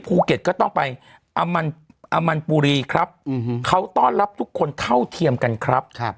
ภูเก็ตก็ต้องไปอมันบุรีครับเขาต้อนรับทุกคนเท่าเทียมกันครับ